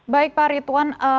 baik pak ritwan